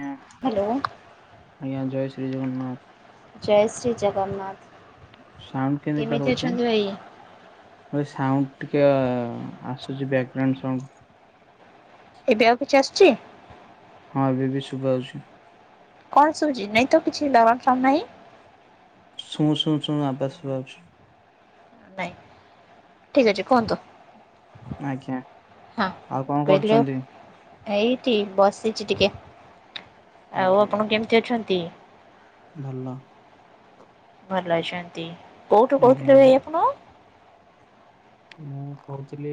ଆଜ୍ଞା ହ୍ୟାଲୋ। ଆଜ୍ଞା ଜୟ ଶ୍ରୀ ଜଗନ୍ନାଥ୍। ଜୟ ଶ୍ରୀ ଜଗନ୍ନାଥ୍। ସାଉଣ୍ଡ କେମିତିଟା କେମିତି ହଉଛି? ଅଛନ୍ତି ଭାଇ? ଏ ସାଉଣ୍ଡ ଟିକେ ଆସୁଛି। Background sound. ଏବେ ଆଉ କିଛି ଆସୁଛି। ହଁ ଏବେ ବି ଶୁଭା ଅଉଛି। କଣ ସୁଛି ନାଇଁ ତ କିଛି [unintelligible] ସାଉଣ୍ଡ ନାହିଁ। ଶୁଉଁ ଶୁଉଁ ଶୁଉଁ ଆବାସ ଶୁଭା ଯାଉଛି। ଠିକ୍ ଅଛି କୁହନ୍ତୁ। ଆଜ୍ଞା। ହଁ ଆଉ କଣ କହିଲେ କରୁଛନ୍ତି? ଏଇଠି ବସିଛି ଟିକେ। ଆଉ ଆଜ୍ଞା ଆପଣ ଆଜ୍ଞା କେମିତି ଅଛନ୍ତି? ଭଲ। ଭଲ ଅଛନ୍ତି। କୋଉଠୁ ଆଜ୍ଞା କୋଉଥିଲେ ଆଜ୍ଞା। ଭାଇ ଆପଣ? ମୁଁ କହୁଥିଲି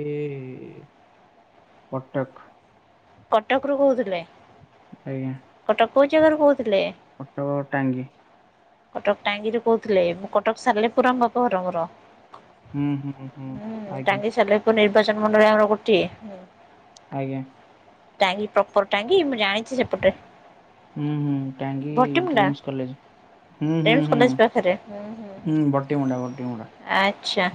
କଟକ। କଟକରୁୁ କହୁଥିଲେ। ଆଜ୍ଞା। କଟକ କୋଉ ଜାଗାରୁ କହୁଥିଲେ? ଅଟୋ ଟାଙ୍ଗି। କଟକ ଟାଙ୍ଗିରୁ କହୁଥିଲେ। ମୁଁ କଟକ ସାରିଲିପୁରାମ ବାପ ଘର ମର। ହୁଁ ଟାଙ୍ଗିସାଲେପୁର ନିର୍ବାଚନ ମଣ୍ଡଳୀ ଆମର ଗୋଟିଏ। ଆଜ୍ଞା। ଟାଙ୍ଗି ପ୍ରପର ଟାଙ୍ଗି ମୁଁ ଜାଣିଛି ସେପଟେ। ହୁଁ ହୁଁ Tangi dreams college. AIIMS college ପାଖରେ। ହୁଁ ହୁଁ। ବଟିମୁଣ୍ଡା ବଟିମୁଣ୍ଡା ଆଛ ଆଚ୍ଛା।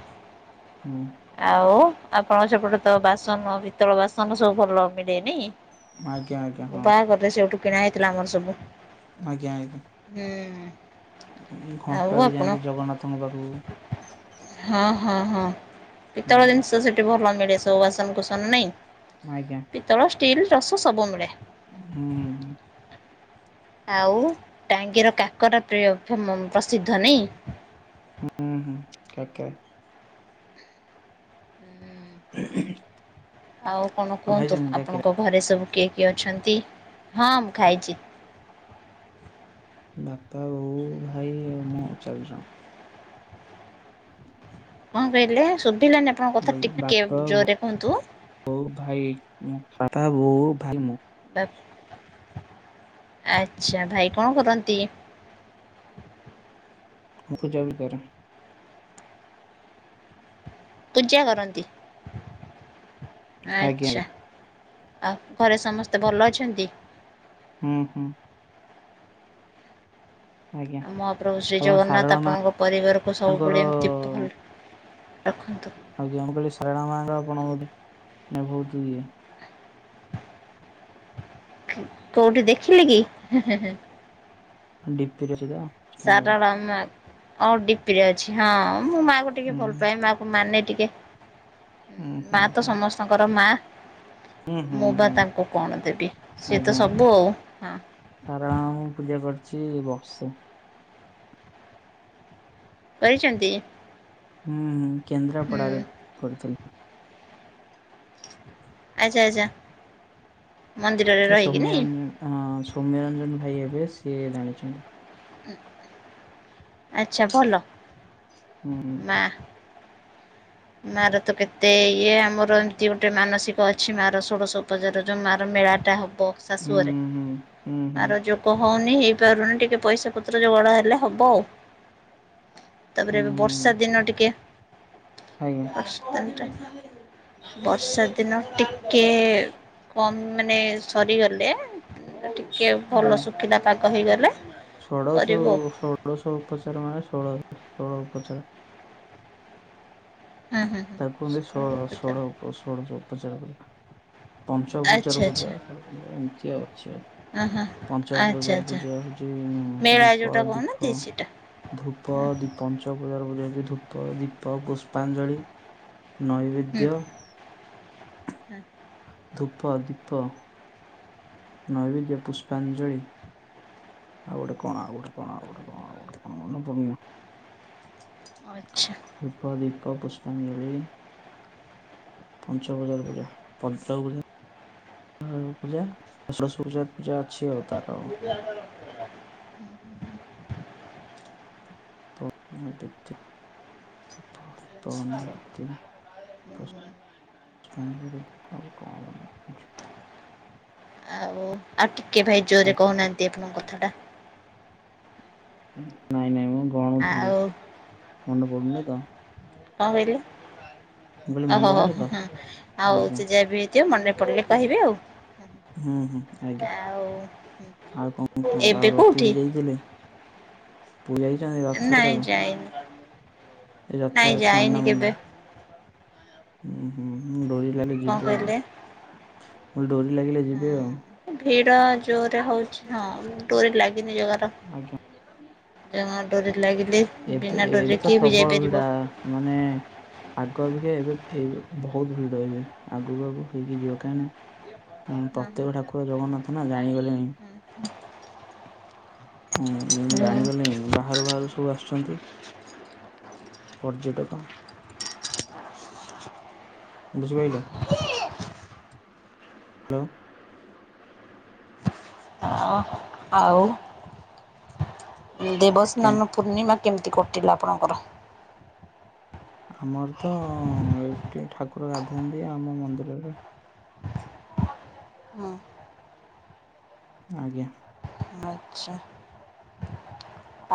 ହୁଁ ଆଉ ଆପଣଙ୍କ ସେପଟେ ତ ବାସନ ପିତଳ ବାସନ ସବୁ ଭଲ ମିଳେନି। ଆଜ୍ଞା ଆଜ୍ଞା। ହଁ। କିଣା ହେଇଥିଲା ଆମର ସବୁ। ଆଜ୍ଞା ଆଜ୍ଞା। ହୁଁ ଉଁ ଆଉ ଘଣ୍ଟୁଆ ବି ଆପଣ ଯାଆନ୍ତି ଜଗନ୍ନାଥଙ୍କ ପାଖକୁ ହଁ ହଁ- ହଁ ପିତଳ ହୁଁ ଜିନିଷ ସେଠି ଭଲ ମିଳେ ସବୁ, ବାସନକୁସନ ନାଇଁ ଆଜ୍ଞା। ପିତ୍ତଳ ଷ୍ଟିଲ୍ ରସ ସବୁ ମିଳେ। ହୁଁ। ଆଉ ଟାଙ୍ଗିର କାକରା ପ୍ରିୟ ପ୍ରସିଦ୍ଧ ନାଇଁ। ହୁଁ- ହୁଁ ଆଜ୍ଞା। ହ [unintelligible] ଆଉ କଣ କୁହନ୍ତୁ, ଆପଣଙ୍କ ଘରେ ସବୁ କିଏ କିଏ ଅଛନ୍ତି? ହଁ ମୁଁ ଖାଇଛି। ବାପା, ବୋଉ, ଭାଇ, ଆଉ ମୁଁ ଚାରିଜଣ। କଣ କହିଲେ ଶୁଭିଲାନି ଆପଣଙ୍କ କଥା କହିଲି ଟିକେ ବାପା, ଜୋରରେ କୁହନ୍ତୁ? ବୋଉ, ଭାଇ ମୁଁ ବାପା, ବୋଉ, ଭାଇ, ମୁଁ। ଆଛା ଭାଇ କଣ କରନ୍ତି? [inaudible] ମୁଁ ପୂଜା ବି କରେ। ପୂଜା କରନ୍ତି। ଆଜ୍ଞା ଆଚ୍ଛା। ଆଜ୍ଞା ଆଉ ଘରେ ସମସ୍ତେ ଭଲ ଅଛନ୍ତି? ହୁଁ - ହୁଁ। ଆଜ୍ଞା। ମହାପ୍ରଭୁ ଶ୍ରୀ ଆପଣ ଜଗନ୍ନାଥ ସାରଳା ଆପଣଙ୍କ ପରିବାରକୁ ମାଙ୍କର ସବୁବେଳେ ଏମିତି ଭଲ ରଖନ୍ତୁ। ଆଜ୍ଞା ମୁଁ କହିଲି ସାରଳା ମାଙ୍କ ଆପଣ ବହୁତ ଇଏ କୋଉଠି ଦେଖିଲେ କି? ହେଁ- ହେଁ ଡି ପି ରେ ଅଛି ତ। ସେଥିପାଇଁ କହିଲି ସାରଳା ମା ଓ ଡିପିରେ ଅଛି, ହଁ ମୁଁ ମା କୁ ଟିକେ ହୁଁ ଭଲ ପାଏ। ମା କୁ ମାନେ ଟିକେ ହୁଁ ମା ହୁଁ ତ ହୁଁ ସମସ୍ତଙ୍କର ମା ହୁଁ ହୁଁ ମୁଁ ବା ହୁଁ ତାଙ୍କୁ କଣ ଦେବି, ସିଏ ଆଜ୍ଞା ତ ଆଜ୍ଞା। ସବୁ ଆଉ ହଁ। ସାରଳା ମାଙ୍କୁ ମୁଁ ପୂଜା କରିଛି ବର୍ଷେ। କରିଛନ୍ତି? ହୁଁ ହୁଁ କେନ୍ଦ୍ରାପଡାରେ କରୁଥିଲି। ଆଚ୍ଛା ଆଚ୍ଛା। ମନ୍ଦିରରେ ଏ ରହିକି ସୌମ୍ୟ ନାଇଁ ସୌମ୍ୟରଞ୍ଜନ ଭାଇ ହେବେ ସିଏ ଜାଣିଛନ୍ତି। ଆଚ୍ଛା ଭଲ। ହୁଁ। ମା ମାର ତ କେତେ ଇଏ ଆମର ଏମତି ଗୋଟେ ମାନସିକ ଅଛି, ମା ର ଷୋଡଶ ଉପଚାର ଯୋଉ ମା ର ମେଳାଟା ହବ ହୁଁ ଶାଶୁଘରେ, ହୁଁ ହୁଁ ହୁଁ ମା ର ଯୋଗ ହଉନି ହେଇପାରୁନି ଟିକେ ପଇସା ପତ୍ର ଯୋଗାଡ଼ ହେଲେ ହବ ଆଉ। ହୁଁ ତାପରେ ଏବେ ହୁଁ ବର୍ଷା ଦିନ ଟିକେ ଆଜ୍ଞା ବର୍ଷା ଦିନ ଟିକେ କମ୍ ମାନେ ସରିଗଲେ ଟିକେ ହୁଁ। ଭଲ ଶୁଖିଲା ପାଗ ହେଇଗଲେ ଷୋଡଶ କରିବୁ ଷୋଳଶହ ଉପଚାର ମାନେ ଷୋଳଶ ଷୋହଳ ଉପଚାର ହୁଁ ହୁଁ ହୁଁ ତାକୁ ଆମେ ଷୋଳ ଷୋଳ ଉପ ଷୋଳ ଉପ ଚାର ପଞ୍ଚ ଆଚ୍ଛା ଉପଚାର ଆଚ୍ଛା ପୂଜା ଷୋଡ଼ ଉପଚାର ଏମିତି ଅଛି ଆଉ ହଁ ହଁ ପଞ୍ଚ ଆଚ୍ଛା ପୂଜା ଆଚ୍ଛା ପୂଜା ହଉଛି ମେଳା ଧୂପ ଯୋଉଟା କହୁନାହାନ୍ତି ଦୀପ ସେଇଟା ଧୂପ, ହୁଁ ଦୀପ ପଞ୍ଚପୂଜାର ଧୂପ, ଦୀପ ପୁଷ୍ପାଞ୍ଜଳି ନୈବେଦ୍ୟ ହୁଁ। ଧୂପ, ଦୀପ, ନୈବେଦ୍ୟ, ପୁଷ୍ପାଞ୍ଜଳି ଆଉ ଗୋଟେ କଣ ଆଉ ଗୋଟେ କଣ ଆଉ ଗୋଟେ କଣ ଆଉ ଗୋଟେ କଣ ମନେ ପଡୁନି? ଆଛା। ଧୁପ ଦୀପ ପୁଷ୍ପାଞ୍ଜଳି ପଞ୍ଚବଜାର ବୁଲିବା ପଞ୍ଚ ବଜା ଆଉ ପୂଜା ସରସ୍ ପୂଜା ପୂଜା ଅଛିି ଆଉ ତାର। [unintelligible] ତ [unintelligible] ପ୍ର କାହ୍ନୁରେ ଆଉ କଣ ମନ? ଆଉ ଆଉ ଟିକେ ଭାଇ ଜୋରେ କହୁନାହାନ୍ତି ଆପଣ କଥା ଟା। ନାଇଁ ନାଇଁ ମୁଁ ଗଣୁଥିଲି ମନେ ପଡୁନି ତ। କଣ କହିଲି ମୁଁ କହିଲି ମନେ ଓହୋ ହୋ ପଡୁନି ତ ହଁ ଆଉ ଆଜ୍ଞା ସେ ଯା ବି ହେଇଥିବ ମନେ ପଡ଼ିଲେ କହିବେ ଆଉ। ହୁଁ ହୁଁ ଆଜ୍ଞା। ଆଉ ଆଉ କଣ କୁହନ୍ତୁ ଏବେ ଆଉ ର କୋଉଠି ପୁରୀ ଯାଇଥିଲେ? ପୁରୀ ଯାଇଛନ୍ତି ନାଇଁ ରଥଯାତ୍ରାକୁ ଯାଇନି ଏ ନାଇଁ ରଥର ଯାଇନି ସ୍ନାନ କେବେ ମଣ୍ଡପ। ଉଁ ହୁଁ ଡୋରି ଲାଗିଲେ କଣ ଯିବେ ଆଉ କହିଲେ ମୁଁ ଡୋରି ଲାଗିଲେ ଯିବେ ଆଉ। ଭିଡ ଜୋରରେ ହଉଛି ହଁ ଡୋରି ଲାଗିନି ଜଗାର। ଆଜ୍ଞା। ଜମାଡୋରି ଏବେ ଏଡ଼ ପ୍ରବଳ ଯାଇପାରିବ ଭିଡା ମାନେ ଆଗ ଅବିିକା ଏବେ ଏ ଓ ବହୁତ ଭିଡ ଏବେ ଆଗକୁ ଆଗକୁ ହେଇକି ଯିବ କାହିଁ ନା ଅଁ ହଁ ପ୍ରତ୍ୟେକ ଠାକୁର ଜଗନ୍ନାଥ ନା ଜାଣିଗଲେଣି। ହୁଁ ହଁ ହୁଁ ଜାଣିଗଲେଣି ବାହାରୁ ବାହାରୁ ସବୁ ଆସୁଛନ୍ତି। ପର୍ଯ୍ୟଟକ। ବୁଝି ପାଇଲେ ହ୍ୟାଲୋ। ଆଅ ଆଉ ଆଜ୍ଞା ଦେବସ୍ନାନ ପୂର୍ଣ୍ଣିମା କେମିତି କଟିଲା ଆପଣଙ୍କର? ଆମର ତ ଏଇଠି ଠାକୁର ଗାଧାନ୍ତି ଆମ ମନ୍ଦିରରେ। ହଁ। ଆଜ୍ଞା। ଆଚ୍ଛା।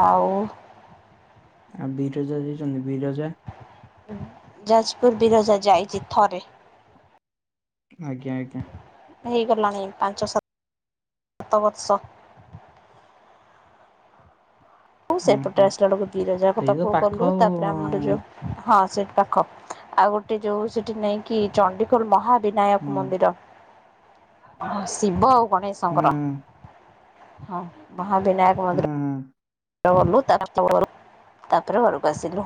ଆଉ? ଆ ବିରଜା ଯାଇଛନ୍ତି ବିରଜା? ଯାଜପୁର ବିରଜା ଯାଇଛି ଥରେ। ଆଜ୍ଞା ଆଜ୍ଞା। ହେଇଗଲାଣି ପାଞ୍ଚ ସାତ ବର୍ଷ। ଔ ହୁଁ ସେପଟେ ହୁଁ ଆସିଲା ବେଳକୁ ବିରଜା ସେଇ ତ ପାଖକୁ ପାଖ ଗଲୁ ତାପରେ ଆମର ଯୋଉ ଆଉ ହଁ। ସେଟ୍ ପାଖ ଆଉ ଗୋଟେ ଯୋଉ ସେଠି ନେଇଁକି ଚଣ୍ଡିଖୋଲ ମହା ହୁଁ ବିନାୟକ ମନ୍ଦିର ଶିବ ଆଉ ହୁଁ ଗଣେଶଙ୍କର। ହଁ ମହାବିନାୟକ ହୁଁ ମନ୍ଦିର। ହୁଁ ଓ ଗଲୁ [unintelligible] ତାପରେ ଘରକୁ ଆସିଲୁ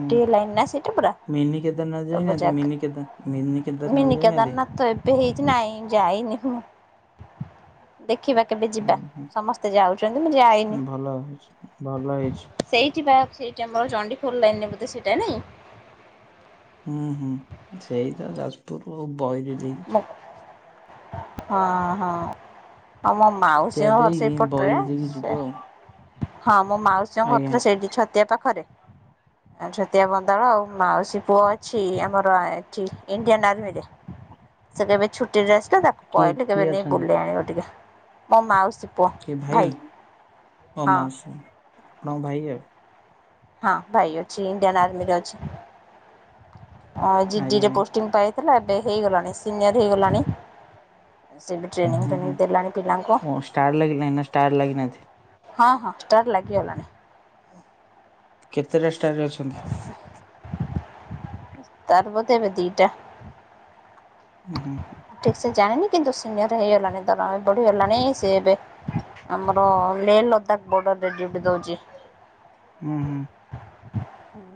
ଗୋଟିଏ ଲାଇନ ନା ସେଇଟା ପୁରା। ମିିନି କେଦାରନାତ୍ ସବୁ ଯାଇନାହାନ୍ତି ଜାଗା ମିିନିକେଦା ମିିନି ମିନି କେଦାରନାତ୍ ଯାଇନାହାନ୍ତି? କେଦାରନାଥ ତ ଏବେ ହେଇଛି ନାଇଁ ଯାଇନି ହୁଁ ଦେ ଖିବା କେବେ ହୁଁ ଯିବା ସମସ୍ତେ ଯାଉଛନ୍ତି ମୁଁ ଯାଇନି। ହେଚି ଭଲ ହେଇଛି। ସେଇଟା ମୋର ଚଣ୍ଡିଖୋଲ ଲାଇନରେ ବୋଧେ ସେଇଟା ନାଇଁ। ହୁଁ ହୁଁ ସେଇ ତ ଯାଜପୁରରୁ ବଇରି ଦେଇକି ମୋ ଯିବୁ। ହଁ ହଁ। ଆଉ ମ ସତ୍ୟା ମାଉସୀଙ୍କ ଘର ଦେଇକି ସେଇପଟରେ ବଇରେ ଦେଇକି ଯିବ ସେ ଆଉ ହଁ ମୋ ମାଉସୀଙ୍କ ଆଜ୍ଞା ଘରଟା ସେଇଠି ଛତିଆ ପାଖରେ। ଆ ଛତିଆ ବନ୍ଦାଳ ଆଉ ମାଉସୀ ପୁଅ ଅଛି ଆମର ଏଠି ଇଣ୍ଡିଆନ ଆର୍ମିରେ। ସେ କେବେ ଛୁଟିରେ ଆସିଲା ତାକୁ କିଏ କହିଲେ କେବେ କିଏ ନେଇ ବୁଲେଇ ଆଣିବ ଟିକେ ମୋ ମାଉ କି ଭାଇ ଅ ହଁ ମାଉସୀ ଆପଣଙ୍କ ଭାଇ ଆଉ। ହଁ ଭାଇ ଅଛି ଇଣ୍ଡିଆନ ଆର୍ମିରେ ଅଛି। ହଁ ଜିଡି ଆଜ୍ଞା ଲରେ ଆଜ୍ଞା ପୋଷ୍ଟିଂ ପାଇଥିଲା, ଏବେ ହେଇଗଲାଣି ସିନିୟର ହେଇଗଲାଣି। ସେ ବି ଟ୍ରେନିଂ ହୁଁ ଫ୍ରେନିଂ ହୁଁ ଦେଲାଣି ପିଲାଙ୍କୁ ଓ ଷ୍ଟାର ଲାଗିଲାଣି ନା ଷ୍ଟାର ଲାଗିନାହାନ୍ତି ହଁ ହଁ ଷ୍ଟାର୍ ଲାଗିଗଲାଣି। କେତେଟା ଷ୍ଟାରରେ ଅଛନ୍ତି? ତାର ବୋଧେ ଏବେ ଦିଇଟା। ହଁ ହୁଁ। ଠିକ ସେ ଜାଣିନି କିନ୍ତୁ ସିନିୟର ହେଇଗଲାଣି ଦରମା ବି ବଢିଗଲାଣି। ସେ ଏବେ ଆମର ଲେ ଲଦାକ୍ ବର୍ଡରରେ ଡ୍ୟୁଟି ଦଉଚି। ହୁଁ ହୁଁ।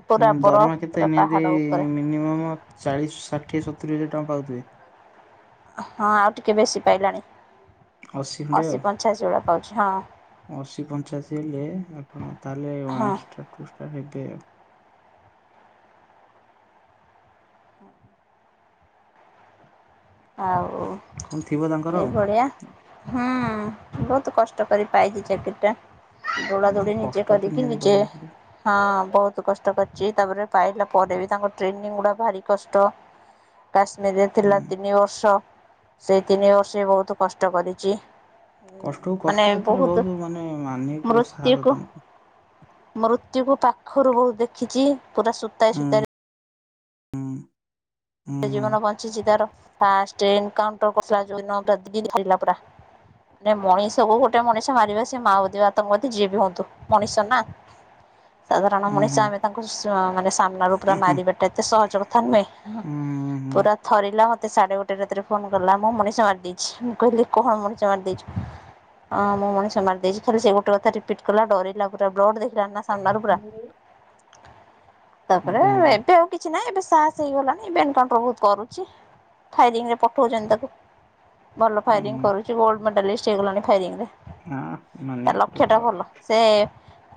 ପୁରା ବରଫ ଦରମା କେତେ ପୁରା ନିହାତି ପାହାଡ଼ ଉପରେ ମିନିମମ୍ ଚାଳିଶି ଷାଠ କିଏ ସତୁରି ହଜାର ଟଙ୍କା ପାଉଥିବେ? ହଁ ଆଉ ଟିକେ ବେଶୀ ପାଇଲାଣି। ଖଣ୍ଡେ ଆଉ। ଅଶୀ ପଞ୍ଚାଅଶି ଭଳିଆ ପାଉଛି ହଁ। ଅଶୀ ପଞ୍ଛାଅଶି ହେଲେ ଆପଣ ତାହେଲେ ହଁ ୱାନ ଷ୍ଟାର୍ ଟୁ ଷ୍ଟାର ହେଇଥିବେ ଆଉ। ଆଉ କଣ ଥିବ ତାଙ୍କର ଆଉ ଏଇଭଳିଆ ହୁଁ। ବହୁତ କଷ୍ଟ କରି ପାଇଚି ଚାକିରିଟା। ଦୌଡା ଉଁ ଦୋଡି ନିଜେ କଷ୍ଟ ତ କରିକି ନିହାତି ନିଜେ କରିବାକୁ ପଡିବ। ହଁ ବହୁତ କଷ୍ଟ କରିଚି। ତାପରେ ପାଇଲା ପରେ ବି ତାଙ୍କ ଟ୍ରେନିଂ ଗୁଡା ଭାରି କଷ୍ଟ। କାଶ୍ମୀରରେ ଥିଲା ହୁଁ ତିନି ବର୍ଷ, ସେଇ ତିନି ବର୍ଷ ବି ବହୁତ କଷ୍ଟ କରିଚି। କଷ୍ଟକୁ କଷ୍ଟ। ଏଥିରେ ବହୁତ ମାନେ ମାନିଆକୁ ପଡ଼ିବ ସାହସ ତାଙ୍କୁ। ଟିକୁ ପାଖରୁ ବହୁତ ଦେଖିଚି, ପୁରା ସୂତାଏ ହୁଁ। ସୂତାଏରେ ହୁଁ। ହୁଁ ସେ ଜୀବନ ବଞ୍ଚିଛି ତାର। ଫାଷ୍ଟେ ଏନକାଉଣ୍ଟର କସିଲା ଯୋଉଦିନ ପୁରା ଦିଲ୍ ଥରିଲା ପୁରା। ନାଇ ମଣିଷକୁ ଗୋଟେ ମଣିଷ ମାରିବା ସେ ମାଓବାଦୀ ବା ଆତଙ୍କବାଦୀ ଯିଏ ବି ହୁଅନ୍ତୁ ମଣିଷ ନା। [inaudible] ସାଧାରଣ ହୁଁ ମଣିଷ ହୁଁ ହୁଁ ଆମେ ତାଙ୍କୁ ସ ମାନେ ସାମ୍ନାରୁ ପୁରା ହୁଁ ହୁଁ ହୁଁ। ମାରିବାଟା ଏତେ ସହଜ କଥା ନୁହେଁ। ହୁଁ। ପୁରା ଥରିଲା ମତ୍ ମତେ ସାଢେ ଗୋଟାଏ ରାତିରେ ଫୋନ କଲା ମୁଁ ମଣିଷ ମାରି ଦେଇଛି। ମୁଁ କହିଲି କଣ ମଣିଷ ମାରିଦେଇଛୁ ହଁ ମୁଁ ମଣିଷ ମାରି ଦେଇଛି, ଖାଲି ସେ ଗୋଟ କଥା ରିପିଟ୍ କଲା। ଡରିଲା ପୁରା ବ୍ଲଡ଼ ଦେଖିକି ଜାଣିନା ଆଜ୍ଞା ସାମ୍ନାରୁ ପୁରା। ତାପରେ ଆଜ୍ଞା ଆଜ୍ଞା ଏବେ ଆଉ କିଛି ନାହିଁ, ଏବେ ସାହସ ହେଇଗଲାଣି ଏବେ ଏନ୍କାଉନ୍ ଉଣ୍ଟର କରୁଚି। ଫାଇରିଙ୍ଗରେ ପଠଉଛନ୍ତି ତାକୁ ଭଲ ଉଁ ଫାଇରିଙ୍ଗ ହୁଁ କରୁଚି। ଗୋଲଡ ମେଡାଲିଷ୍ଟ ହେଇଗଲାଣି ଫାଇରିଂରେ। ହଁ ତା ମାନିବାକୁ ପଡିବ। ଲକ୍ଷ୍ୟଟା ଭଲ। ସେ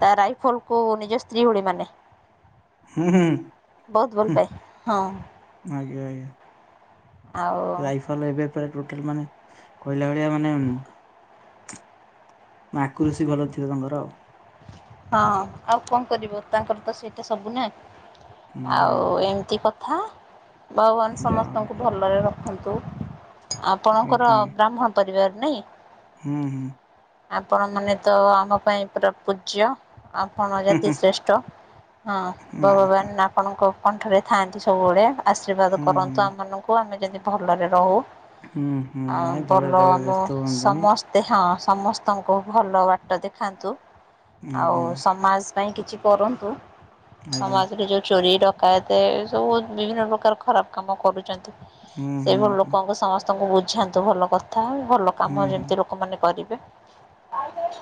ତା ରାଇଫଲକୁ ନିଜ ସ୍ତ୍ରୀ ଭଳି ମାନେ। ହୁଁ ହୁଁ ବହୁତ ଭଲ ହୁଁ। ପାଏ ହଁ ଆଜ୍ଞା ଆଜ୍ଞା। ଆଉ ରାଇଫଲ ଏବେ ପ୍ରାୟ ଟୋଟାଲ ମାନେ କହିଲା ଭଳିଆ ମାନେ ମାକୃଷି ଭଲ ଥିବ ତାଙ୍କର ଆଉ। ହଁ ଆଉ କଣ କରିବ ତାଙ୍କର ତ ସେଇଟା ସବୁ ନା। ହୁଁ ହୁଁ ଆଉ ହୁଁ ଏମତି କଥା ଭଗବାନ ଯା ହଉ ସମସ୍ତଙ୍କୁ ଯା ହଉ ଭଲରେ ରଖନ୍ତୁ ଆପଣଙ୍କର ଆଜ୍ଞା ଆଜ୍ଞା ବ୍ରାହ୍ମଣ ପରିବାର ନାଇଁ? ହୁଁ ହୁଁ। ଆପଣ ମାନେ ତ ଆମ ପାଇଁ ପୁରା ପୂଜ୍ୟ। ଆପଣ ହୁଁ ଯଦି ହୁଁ ଶ୍ରେଷ୍ଠ, ହଁ ହୁଁ ନା ଭଗବାନ ହଁ ଆପଣଙ୍କ କଣ୍ଠରେ ଥାଆନ୍ତି ସବୁବେଳେ, ଆଶୀର୍ବାଦ ହୁଁ କରନ୍ତୁ ହୁଁ ଆମମାନଙ୍କୁ ଆମେ ଯେନ୍ତି ଭଲରେ ରହୁ। ହୁଁ ହୁଁ ଆଉ ନାଇଁ ଭଲରେ ଭଲ ରହିବେ ଆମ ବ୍ୟସ୍ତ ହୁଅନ୍ତୁନି। ସମସ୍ତେ ହଁ। ସମସ୍ତଙ୍କୁ ଭଲ ବାଟ ଦେଖାନ୍ତୁ ଆଉ ଆଜ୍ଞା ସମାଜ ପାଇଁ କିଛି କରନ୍ତୁ ଆଜ୍ଞା ସମାଜରେ ଯୋଉ ଚୋରି ଡକା ଏ ସବୁ ବିଭିନ୍ନ ପ୍ରକାର ଖରାପ କାମ କରୁଛନ୍ତି ହୁଁ ହୁଁ ସେଇଭଳି ହୁଁ ଲୋକଙ୍କୁ ସମସ୍ତ ତଙ୍କୁ ବୁଝାନ୍ତୁ ଭଲ କଥା ଭଲ କାମ ହୁଁ ହୁଁ ଯେମିତି ଲୋକମାନେ କରିବେ।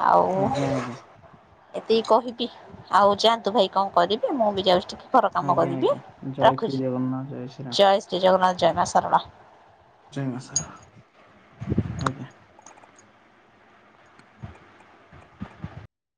ଆଉ ଆଜ୍ଞା ଆଜ୍ଞା। ଏତିକି କହିବି ଆଉ ଯାଆନ୍ତୁ ଭାଇ କଣ କରିବି ମୁଁ ବି ଯାଉଛି ଟିକେ ଘର କାମ ଆଜ୍ଞା କରିବି ଆଜ୍ଞା ଜୟ ଶ୍ରୀ ରଖୁଛି ଜଗନ୍ନାଥ ଶ୍ରୀରାମ ଜୟ ଶ୍ରୀ ଜଗନ୍ନାଥ ଜୟ ମା ସାରଳା। ଜୟ ମା ସାରଳା ଆଜ୍ଞା।